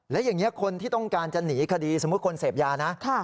และอย่างนี้คนที่ต้องการจะหนีคดีสมมุติคนเสพยานะ